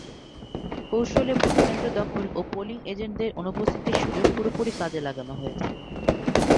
কৌশলে ভোটকেন্দ্র দখল ও পোলিং এজেন্টদের অনুপস্থিতির সুযোগ পুরোপুরি কাজে লাগানো হয়েছে।